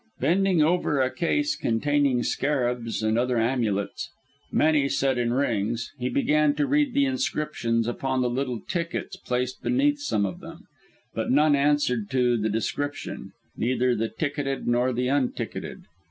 Bending over a case containing scarabs and other amulets, many set in rings, he began to read the inscriptions upon the little tickets placed beneath some of them; but none answered to the description, neither the ticketed nor the unticketed.